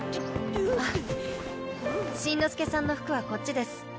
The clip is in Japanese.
しんのすけさんの服はこっちです。